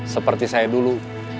seperti saya dulu